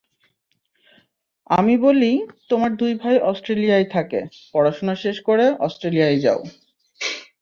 আমি বলি, তোমার দুই ভাই অস্ট্রেলিয়ায় থাকে, পড়াশোনা শেষ করে অস্ট্রেলিয়ায় যাও।